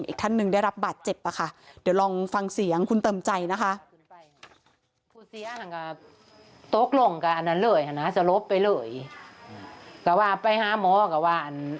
อีกท่านหนึ่งได้รับบาดเจ็บอะค่ะเดี๋ยวลองฟังเสียงคุณเติมใจนะคะ